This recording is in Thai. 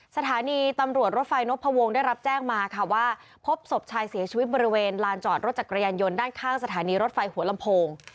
สถานีตำรวจรถไฟนพวงได้รับแจ้งมาค่ะว่าพบศพชายเสียชีวิตบริเวณลานจอดรถจักรยานยนต์ด้านข้างสถานีรถไฟหัวลำโพง